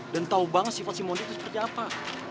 dan tau banget sifat si moni itu seperti apa